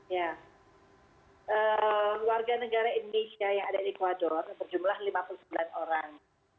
ya warga negara indonesia yang ada di ecuador berjumlah lima puluh sembilan orang